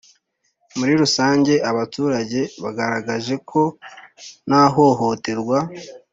Muri rusange abaturage bagaragaje ko nta hohoterwa